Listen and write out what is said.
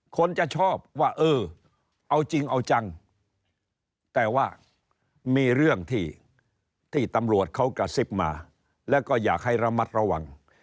คนจะชอบว่าเออเอาจริงเอาจังแต่ว่ามีเรื่องที่ตำรวจเขากระซิบมาแล้วก็อยากให้ระมัดระวัง